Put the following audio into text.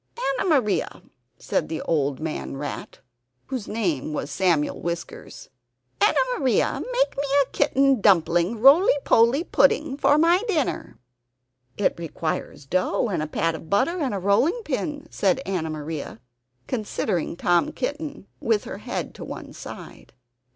"Anna Maria," said the old man rat (whose name was Samuel Whiskers), "Anna Maria, make me a kitten dumpling roly poly pudding for my dinner." "It requires dough and a pat of butter and a rolling pin," said Anna Maria, considering Tom Kitten with her head on one side.